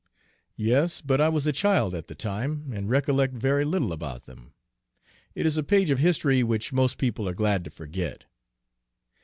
"Yes, but I was a child at the time, and recollect very little about them. It is a page of history which most people are glad to forget."